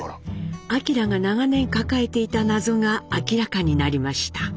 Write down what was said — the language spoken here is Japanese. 明が長年抱えていた謎が明らかになりました。